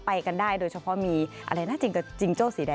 ไปกันได้โดยเฉพาะมีอะไรนะจิงกับจิงโจ้สีแดง